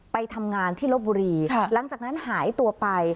ไปทำงานที่ลบบุรีหลังจากนั้นหายตัวไป